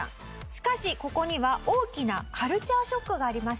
しかしここには大きなカルチャーショックがありました。